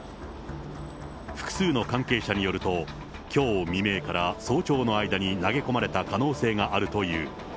複数の関係者によると、きょう未明から早朝の間に投げ込まれた可能性があるという。